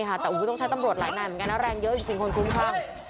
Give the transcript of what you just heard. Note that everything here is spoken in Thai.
แต่ต้องใช้ตำรวจหลายนายเหมือนกันนะแรงเยอะจริงคนคุ้มครั่ง